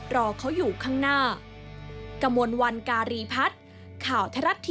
รอเขาอยู่ข้างหน้า